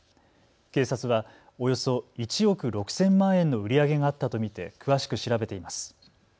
警察はおよそ１億６０００万円の売り上げがあったと見て詳しく調べています。